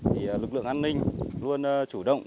thì lực lượng an ninh luôn chủ động